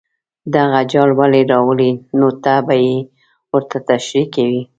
دغه جال ولې راولي نو ته به یې ورته تشریح کوې.